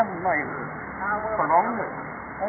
ขอบคุณที่ทำดีดีกับแม่ของฉันหน่อยครับ